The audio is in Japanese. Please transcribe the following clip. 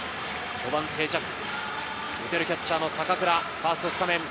５番に定着、打てるキャッチャーの坂倉、ファースト、スタメン。